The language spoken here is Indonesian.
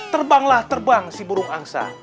terbanglah terbang si burung angsa